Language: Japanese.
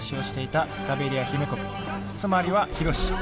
つまりはヒロシ。